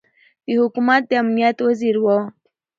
د حکومت د امنیت وزیر ؤ